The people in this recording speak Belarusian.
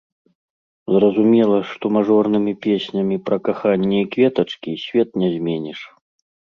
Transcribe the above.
Зразумела, што мажорнымі песнямі пра каханне і кветачкі свет не зменіш.